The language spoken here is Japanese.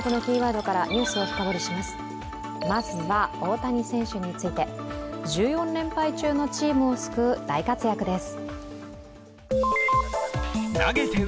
まずは大谷選手について、１４連敗中のチームを救う大活躍です。